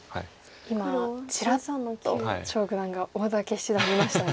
今ちらっと張九段が大竹七段を見ましたね。